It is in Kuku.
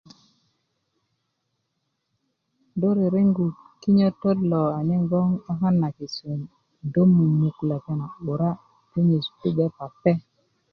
do rerengu kinyötöt lo anyen gboŋ 'bakan na kisum do mumuk lepeŋ lo 'bura do nyesu pape